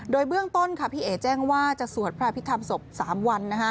โดยเบื้องต้นค่ะพี่เอ๋แจ้งว่าจะสวดพระพิธรรมศพ๓วัน